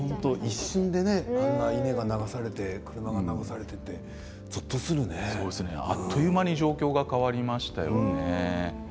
一瞬で家が流されて車が流されてというのはあっという間に状況が変わりましたね。